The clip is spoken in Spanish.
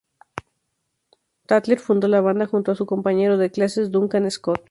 Tatler fundó la banda junto a su compañero de clases Duncan Scott.